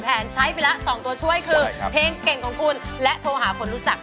แต่ว่าไป๕นาทีแล้วเขากลับเลย